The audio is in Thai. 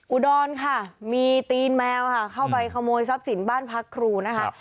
อุดรค่ะมีตีนแมวค่ะเข้าไปขโมยทรัพย์สินบ้านพักครูนะคะ